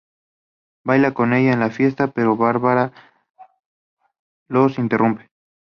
Baila con ella en la fiesta, pero Bárbara los interrumpe.